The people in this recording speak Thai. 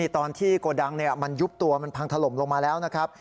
โกดังมันยุบตัวมันพังถล่มลงมาแล้วนะครับ